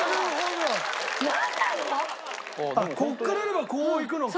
ここからやればこういくのか。